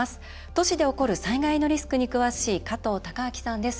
都市で起こる災害のリスクに詳しい加藤孝明さんです。